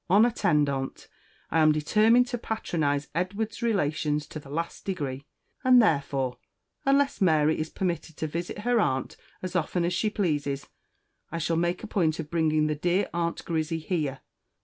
En attendant, I am determined to patronise Edward's relations to the last degree; and therefore, unless Mary is permitted to visit her aunt as often as she pleases, I shall make a point of bringing the dear Aunt Grizzy here.